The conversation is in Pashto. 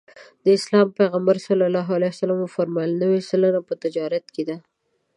د اسلام پیغمبر ص وفرمایل نوې سلنه په تجارت کې ده.